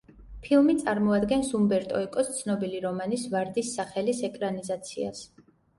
ფილმი წარმოადგენს უმბერტო ეკოს ცნობილი რომანის, „ვარდის სახელის“ ეკრანიზაციას.